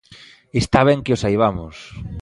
Está ben que o saibamos.